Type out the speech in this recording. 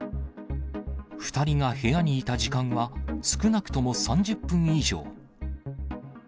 ２人が部屋にいた時間は少なくとも３０分以上。